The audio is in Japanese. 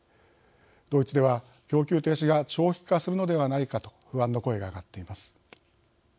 ドイツでは供給停止が長期化するのではないかと不安の声が上がっています。